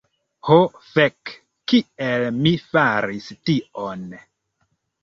Ho fek' kiel mi faris tion